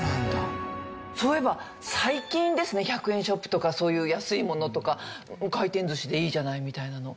そういえば最近ですね１００円ショップとかそういう安いものとか回転寿司でいいじゃないみたいなの。